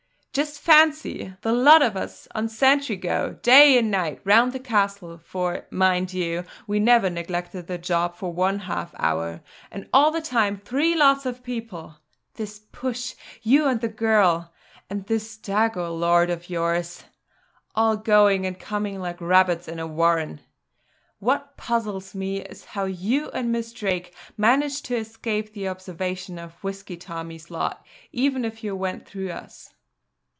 Just fancy! the lot of us on sentry go day and night round the castle, for, mind you, we never neglected the job for one half hour; and all the time, three lots of people this push, you and the girl, and this Dago lord of yours all going and coming like rabbits in a warren. What puzzles me is how you and Miss Drake managed to escape the observation of Whisky Tommy's lot, even if you went through us!"